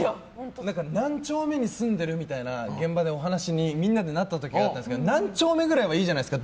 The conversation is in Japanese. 何丁目に住んでるみたいな話に現場でみんなでなった時があったんですけど何丁目ぐらいはいいじゃないですか